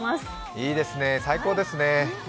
いいですね、最高ですね。